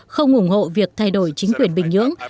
không ủng hộ việc thay đổi chính quyền bình nhưỡng